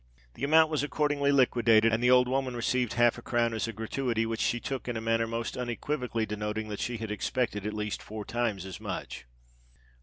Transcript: The amount was accordingly liquidated, and the old woman received half a crown as a gratuity, which she took in a manner most unequivocally denoting that she had expected at least four times as much.